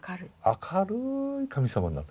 明るい神様になる。